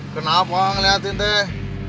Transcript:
kenapa ngeliatin teh